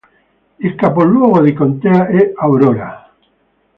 Il capoluogo di contea è Aurora.